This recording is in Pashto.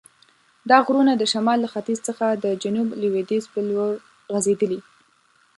دا غرونه د شمال له ختیځ څخه د جنوب لویدیځ په لور غزیدلي.